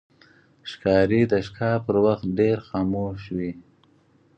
ښکاري د ښکار پر وخت ډېر خاموش وي.